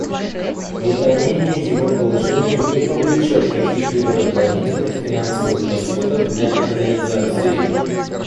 Выполнение его положений не повлечет каких-либо дополнительных финансовых расходов для Организации.